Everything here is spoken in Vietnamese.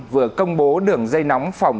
vừa công bố đường dây nóng phòng